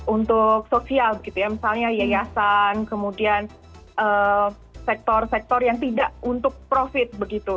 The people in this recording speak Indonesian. untuk sosial begitu ya misalnya yayasan kemudian sektor sektor yang tidak untuk profit begitu